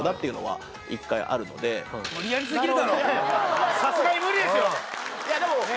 たぶんさすがに無理ですよ